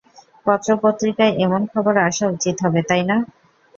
পত্র-পত্রিকায় এমন খবর আসা উচিত হবে, তাই না?